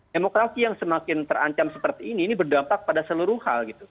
demokrasi yang semakin terancam seperti ini ini berdampak pada seluruh hal gitu